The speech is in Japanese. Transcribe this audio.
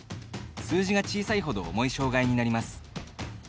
数字が小さいほど重い障がいになります。